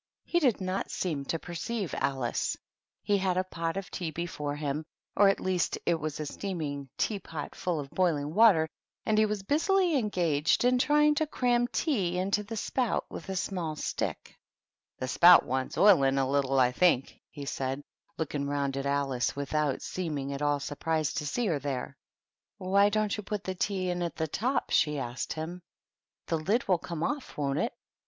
He did not seem to perceive THE TEA TABLE. 03 Alice. He had a pot of tea before him, — or, at least, it was a steaming tea pot full of boiling water, — and he was busily engaged in trying to cram tea into the spout with a small stick. " The spout wants oiling a little, I think," he said, look ing round at Alice without seeming at all sur prised to see her there. "Why don't you put the tea in at the top?" 64 THE TEA TABLE. she asked him. "The lid will come oflF, won't it?"